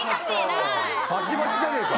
バチバチじゃねえか。